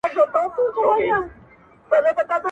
له بي بي سره ملگري سل مينځياني؛